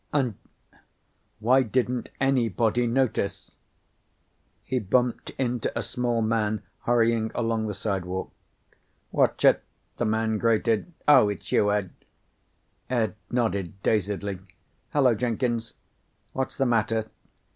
And why didn't anybody notice? He bumped into a small man hurrying along the sidewalk. "Watch it!" the man grated, "Oh, it's you, Ed." Ed nodded dazedly. "Hello, Jenkins." "What's the matter?"